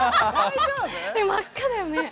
真っ赤だよね。